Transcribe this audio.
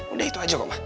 udah itu aja kok ma